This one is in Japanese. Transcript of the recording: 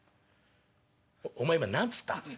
「お前今何つった？」。